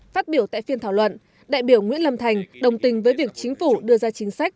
phát biểu tại phiên thảo luận đại biểu nguyễn lâm thành đồng tình với việc chính phủ đưa ra chính sách